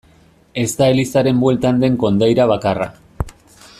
Ez da elizaren bueltan den kondaira bakarra.